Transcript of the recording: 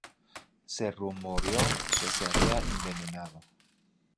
Se rumoreó que se había envenenado.